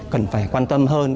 cần phải quan tâm hơn